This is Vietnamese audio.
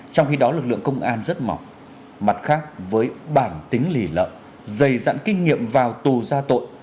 trong khi đó lực lượng công an rất mỏng mặt khác với bản tính lì lợm dày dặn kinh nghiệm vào tù ra tội